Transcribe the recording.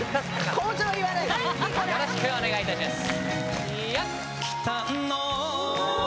口上言わないよろしくお願いいたします